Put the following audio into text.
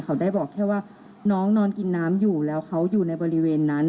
เขาได้บอกแค่ว่าน้องนอนกินน้ำอยู่แล้วเขาอยู่ในบริเวณนั้น